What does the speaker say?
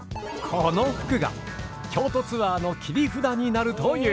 この服が京都ツアーの切り札になるという。